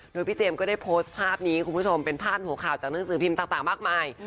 โดยพี่เจมส์ก็ได้โพสต์ภาพนี้คุณผู้ชมเป็นพาดหัวข่าวจากหนังสือพิมพ์ต่างมากมาย